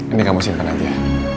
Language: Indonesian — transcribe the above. ini kamu simpan aja